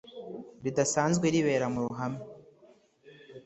ridasanzwe ribera mu ruhame